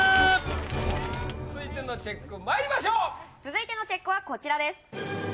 続いてのチェックまいりましょう続いてのチェックはこちらです